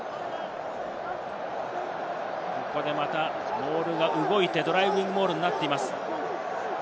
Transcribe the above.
ここでまたモールが動いて、ドライビングモールになっています。